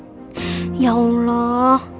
ya allah ya allah